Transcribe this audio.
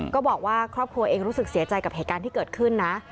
ก็บอกว่าครอบครัวเองรู้สึกเสียใจกับเหตุการณ์ที่เกิดขึ้นนะ